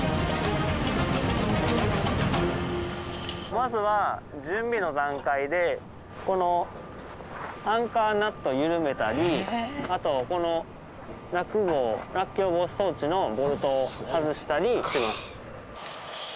まずは準備の段階でこのアンカーナットを緩めたりあとこの落防落橋防止装置のボルトを外したりします。